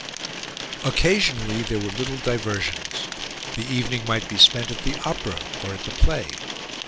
Occasionally, there were little diversions: the evening might be spent at the opera or at the play.